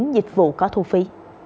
dịch vụ có thu phí